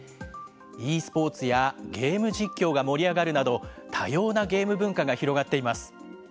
ｅスポーツやゲーム実況が盛り上がるなど多様なゲーム文化が広がっています。